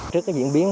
trước các diễn biến